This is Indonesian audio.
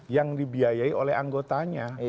yang dibiayai oleh anggotanya